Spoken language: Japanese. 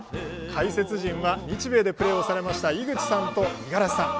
解説陣は日米でプレーをされました井口さんと、五十嵐さん。